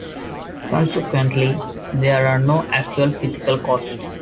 Consequently there are no actual physical cost.